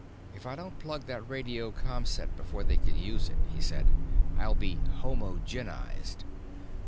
"If I don't plug that radio com set before they can use it," he said, "I'll be homo genized."